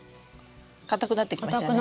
かたくなってきましたね。